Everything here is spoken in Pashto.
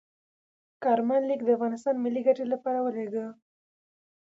کارمل لیک د افغانستان ملي ګټې لپاره ولیږه.